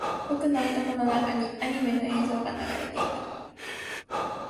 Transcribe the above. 僕の頭の中にアニメの映像が流れていた